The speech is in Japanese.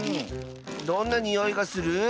どんなにおいがする？